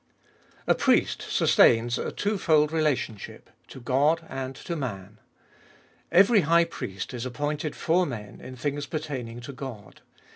A PRIEST sustains a twofold relationship — to God and to man. Every high priest is appointed for men in things pertaining to God.